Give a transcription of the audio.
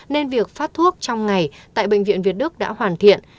nên việc phát thuốc trong ngày tại bệnh viện việt đức đã hoàn thiện